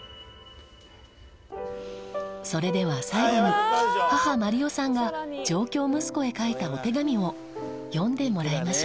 それでは最後に母まりよさんが上京息子へ書いたお手紙を読んでもらいましょう。